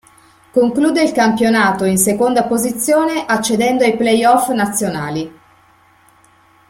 Conclude il campionato in seconda posizione accedendo ai playoff nazionali.